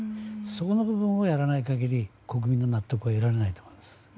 その部分をやらない限り国民の納得は得られないと思います。